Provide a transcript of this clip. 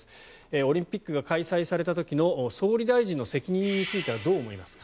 オリンピックが開催された時の総理大臣の責任についてはどう思いますか。